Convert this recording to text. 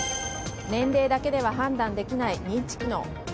年齢だけでは判断できない認知機能。